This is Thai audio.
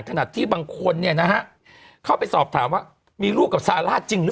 ขนาดที่บางคนเข้าไปสอบถามว่ามีลูกกับซาร่าจริงหรือเปล่า